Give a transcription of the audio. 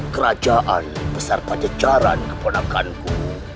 kerajaan besar pada jaran keponakan ku